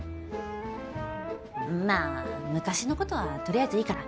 まあ昔のことはとりあえずいいから。